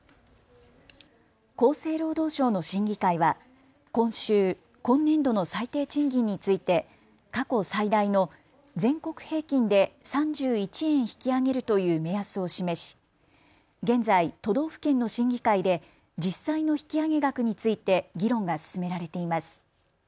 厚生労働省の審議会は今週、今年度の最低賃金について過去最大の全国平均で３１円引き上げるという目安を示し現在、都道府県の審議会で実際の引き上げ額について議論が進められています。